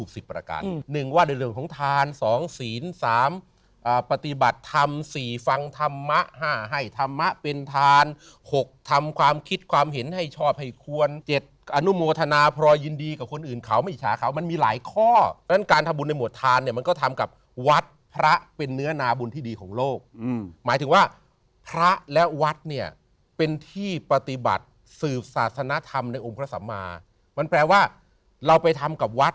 สืบศาสนธรรมในอมพระสัมมามันแปลว่าเราไปทำกับวัด